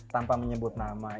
tanpa menyebut nama